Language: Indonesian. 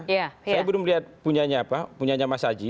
saya belum lihat punya apa punya nyama saji